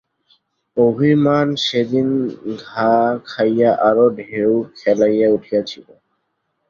অভিমান সেদিন ঘা খাইয়া আরো ঢেউ খেলাইয়া উঠিয়াছিল।